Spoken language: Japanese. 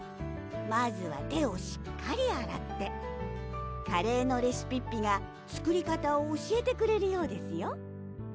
まずは手をしっかりあらってカレーのレシピッピが作り方を教えてくれるようですよ